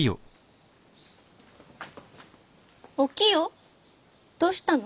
おきよどうしたの？